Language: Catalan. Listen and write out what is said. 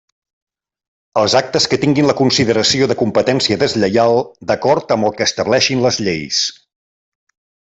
Els actes que tinguin la consideració de competència deslleial d'acord amb el que estableixin les lleis.